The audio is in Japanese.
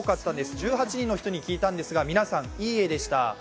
１８人の人に聞いたんですが、皆さん、「いいえ」でした。